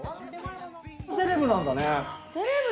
セレブなんだね。